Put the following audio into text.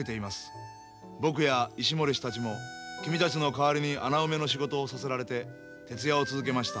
僕や石森氏たちも君たちの代わりに穴埋めの仕事をさせられて徹夜を続けました。